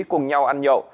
cùng nhau ăn nhậu